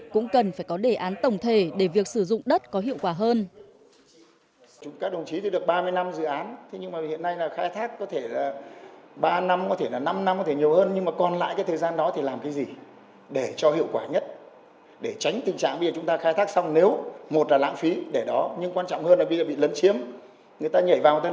cũng cần phải có đề án tổng thể để việc sử dụng đất có hiệu quả hơn